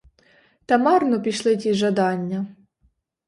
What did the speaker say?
Та марно пішли ті жадання.